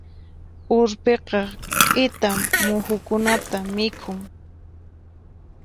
Urpiqa k'ita muhukunata mikhun.